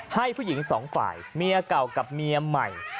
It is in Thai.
ให้ผู้หญิงสองฝ่ายเมียเก่ากับเมียใหม่